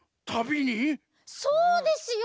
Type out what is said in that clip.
そうですよ！